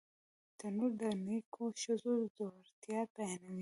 تنور د نیکو ښځو زړورتیا بیانوي